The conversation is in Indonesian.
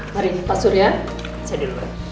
mari pak suria saya dulu ya